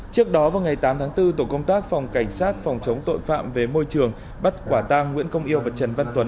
trước đó vào ngày tám tháng bốn tổ công tác phòng cảnh sát phòng chống tội phạm về môi trường bắt quả tang nguyễn công yêu và trần văn tuấn